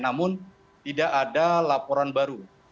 namun tidak ada laporan baru